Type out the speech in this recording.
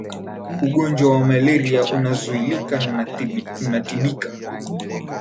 ugonjwa wa malaria unazuilika na unatibika